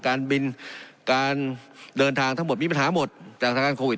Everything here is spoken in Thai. การบินการเดินทางทั้งหมดมีปัญหาหมดแต่อันตรายการโควิด